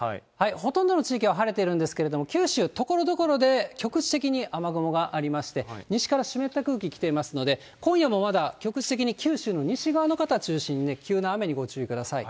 ほとんどの地域は晴れているんですけれども、九州、ところどころで局地的に雨雲がありまして、西から湿った空気来ていますので、今夜もまだ局地的に九州の西側の方を中心に、急な雨にご注意ください。